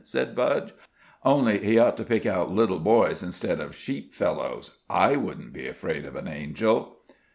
said Budge. "Only he ought to pick out little boys instead of sheep fellows. I wouldn't be afraid of an angel."